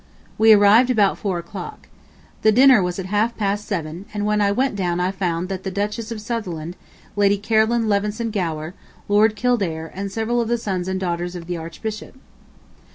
We arrived about four o'clock. ... The dinner was at half past seven, and when I went down I found the Duchess of Sutherland, Lady Caroline Leveson Gower, Lord Kildare, and several of the sons and daughters of the Archbishop.